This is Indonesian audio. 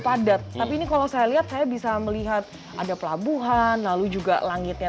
padat tapi ini kalau saya lihat saya bisa melihat ada pelabuhan lalu juga langitnya